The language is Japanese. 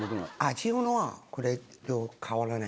味は、これと変わらない。